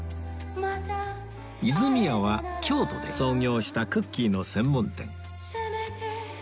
泉屋は京都で創業したクッキーの専門店